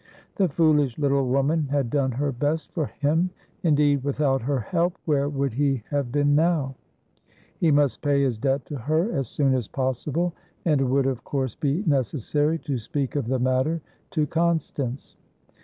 The foolish little woman had done her best for him; indeed, without her help, where would he have been now? He must pay his debt to her as soon as possible, and it would of course be necessary to speak of the matter to Constance.